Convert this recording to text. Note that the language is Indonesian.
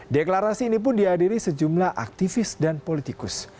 deklarasi ini pun dihadiri sejumlah aktivis dan politikus